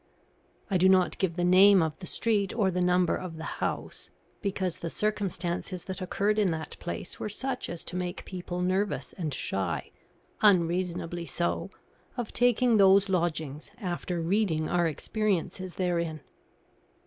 I do not give the name of the street or the number of the house, because the circumstances that occurred in that place were such as to make people nervous, and shy unreasonably so of taking those lodgings, after reading our experiences therein.